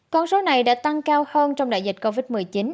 con số này đã tăng cao hơn trong đại dịch covid một mươi chín